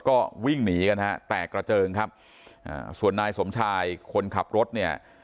ก็วิ่งหนีกันฮะแตกกระเจิงครับอ่าส่วนนายสมชายคนขับรถเนี่ย